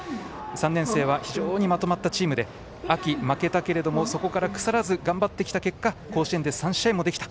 ３年生は非常にまとまったチームで秋、負けたけれどもそこから腐らずに頑張ってきた結果甲子園で３試合もできた。